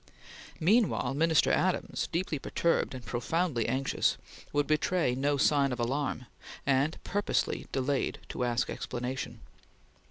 Meanwhile Minister Adams, deeply perturbed and profoundly anxious, would betray no sign of alarm, and purposely delayed to ask explanation.